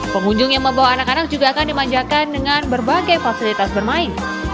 pengunjung yang membawa anak anak juga akan dimanjakan dengan berbagai fasilitas bermain